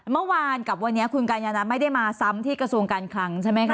เมื่อวานกับวันนี้คุณกัญญานัทไม่ได้มาซ้ำที่กระทรวงการคลังใช่ไหมคะ